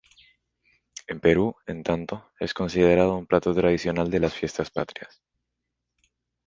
En Perú, en tanto, es considerado un plato tradicional de las Fiestas Patrias.